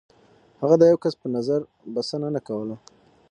هغه د يو کس پر نظر بسنه نه کوله.